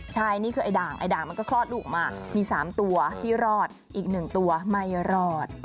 ใช่นี่คือไอ้ด่างไอ้ด่างมันก็คลอดลูกออกมามี๓ตัวที่รอดอีก๑ตัวไม่รอด